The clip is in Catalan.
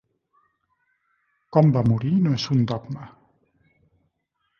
Com va morir no és un dogma.